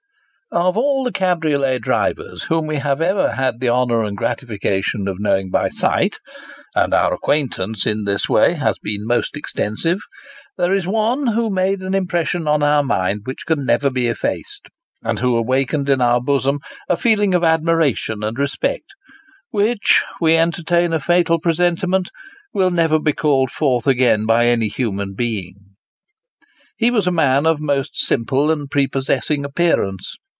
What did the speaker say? OF all the cabriolet drivers whom we have ever had the honour and gratification of knowing by sight and our acquaintance in this way has been most extensive there is one who made an impression on our mind which can never be effaced, and who awakened in our bosom a feeling of admiration and respect, which we entertain a fatal pre sentiment will never be called forth again by any human being. He was a man of most simple and prepossessing appearance.